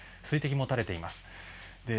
水滴も垂れています。